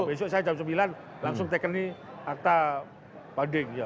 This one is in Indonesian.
besok saya jam sembilan langsung take any akta banding